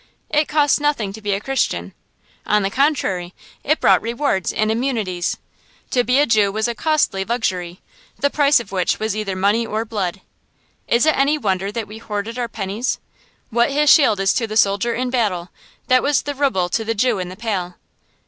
It cost nothing to be a Christian; on the contrary, it brought rewards and immunities. To be a Jew was a costly luxury, the price of which was either money or blood. Is it any wonder that we hoarded our pennies? What his shield is to the soldier in battle, that was the ruble to the Jew in the Pale.